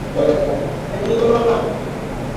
তবে এর কোনো প্রমাণ এখনো পাওয়া যায়নি।